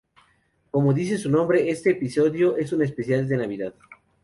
Como dice su nombre, este episodio es un especial de Navidad.